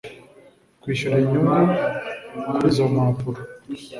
Kwishyura inyungu kuri izo mpapuro